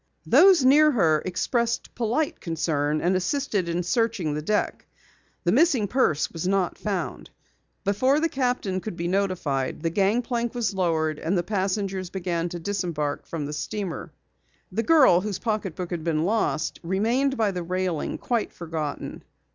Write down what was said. Those near her expressed polite concern and assisted in searching the deck. The missing purse was not found. Before the captain could be notified, the gangplank was lowered, and the passengers began to disembark from the steamer. The girl, whose pocketbook had been lost, remained by the railing, quite forgotten.